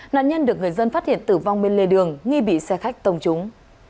nạn nhân được người dân phát hiện tử vong bên lề đường nghi bị xe khách tông trúng